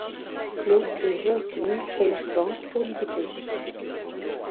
Klaus et Joaquim créent leur banque pour l'y déposer.